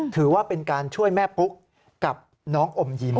ถือว่าเป็นการช่วยแม่ปุ๊กกับน้องอมยิ้ม